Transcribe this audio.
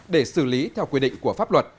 để xử lý theo quy định của pháp luật